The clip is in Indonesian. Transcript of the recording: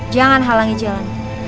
jangan halangi jalan